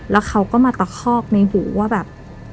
แล้วเขาก็มาตะคอกในหูว่าแบบ